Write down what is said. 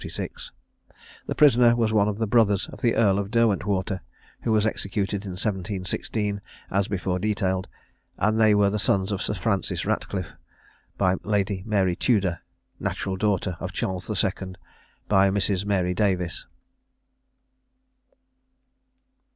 This prisoner was one of the brothers of the Earl of Derwentwater, who was executed in 1716, as before detailed; and they were the sons of Sir Francis Ratcliffe, by Lady Mary Tudor, natural daughter of Charles the Second, by Mrs. Mary Davis.